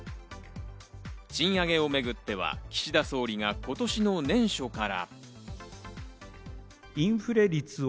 賃上げをめぐっては、岸田総理が今年の年初から。